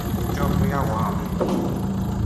Njofu yawaa mndu.